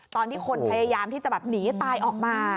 ตอนที่คนพยายามนีตายออกมา